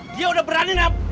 dia udah berani nabrak mini gue